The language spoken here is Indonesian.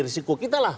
risiko kita lah